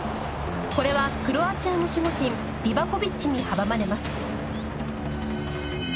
これはクロアチアの守護神リバコビッチに阻まれます。